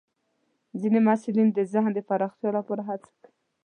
ځینې محصلین د ذهن پراختیا لپاره هڅه کوي.